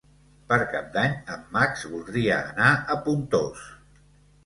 Per Cap d'Any en Max voldria anar a Pontós.